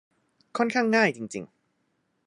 ค่อนข้างง่ายจริง ๆ